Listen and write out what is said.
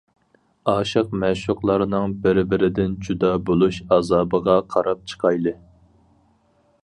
ئاشىق مەشۇقلارنىڭ بىر-بىرىدىن جۇدا بولۇش ئازابىغا قاراپ چىقايلى.